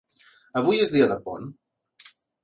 Avui és dia de pont.